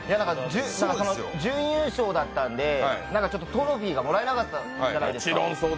準優勝だったんで、トロフィーがもらえなかったじゃないですか。